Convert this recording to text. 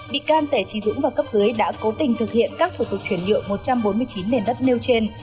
bị can tẩy trí dũng và cấp dưới đã cố tình thực hiện các thủ tục chuyển nhượng một trăm bốn mươi chín nền đất nêu trên